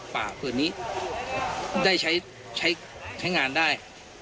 ผืนนี้ได้ใช้งานได้